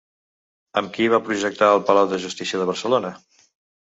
Amb qui va projectar el Palau de Justícia de Barcelona?